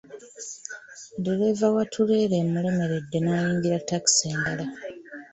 Ddereeva wa ttuleera emulemeredde n'ayingira takisi endala.